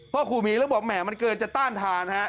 ครูหมีแล้วบอกแหมมันเกินจะต้านทานฮะ